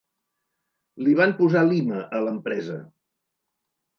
Li van posar Lima, a l'empresa!